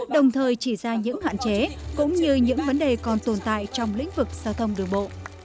đồng thời chỉ ra những hạn chế cũng như những vấn đề còn tồn tại trong lĩnh vực giao thông đường bộ